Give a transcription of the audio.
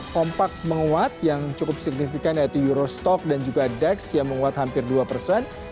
kompak menguat yang cukup signifikan yaitu euro stock dan juga dex yang menguat hampir dua persen